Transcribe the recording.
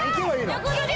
横取り！